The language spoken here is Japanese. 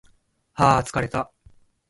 はー疲れた